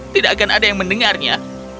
tidak akan ada yang mendengarnya